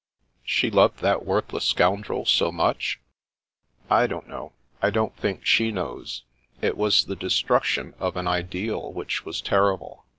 " She loved that worthless scoundrel so much ?"" I don't know. I don't think she knows. It was the destruction of an ideal which was terrible.